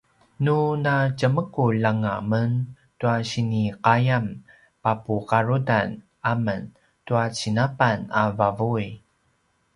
nu natjemekulj anga men tua sinikiqayam papuqarutan amen tua cinapan a vavuy